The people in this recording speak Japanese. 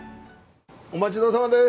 お待ち遠さまです。